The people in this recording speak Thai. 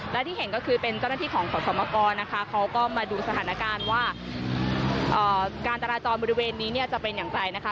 และที่เห็นก็คือเป็นเจ้าหน้าที่ของขอสมกรนะคะเขาก็มาดูสถานการณ์ว่าการจราจรบริเวณนี้เนี่ยจะเป็นอย่างไรนะคะ